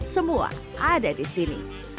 semua ada di sini